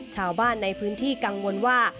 ชาวบ้านในพื้นที่กังวลว่า